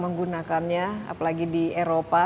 menggunakannya apalagi di eropa